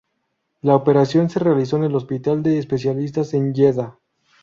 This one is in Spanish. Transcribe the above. La operación se realizó en el hospital de especialistas en Yeda.